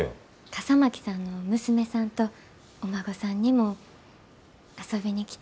笠巻さんの娘さんとお孫さんにも遊びに来てもらえたらなぁて。